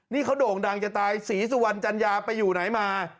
นี่เขาโด่งดังจะตายศรีสุวรรณจัญญาไปอยู่ไหนมา